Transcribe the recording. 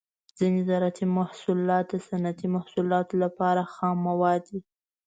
ځینې زراعتي محصولات د صنعتي محصولاتو لپاره خام مواد دي.